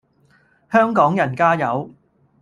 香港人加油